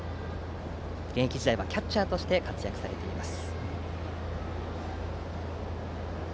現役時代はキャッチャーとして活躍されています。